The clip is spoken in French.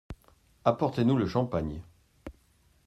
Apportez-nous le champagne.